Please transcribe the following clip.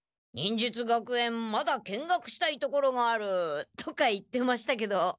「忍術学園まだ見学したいところがある」とか言ってましたけど。